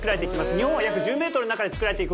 日本は約１０メートルの中で作られていく。